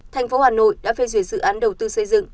thành phố hà nội đã phê duyệt dự án đầu tư xây dựng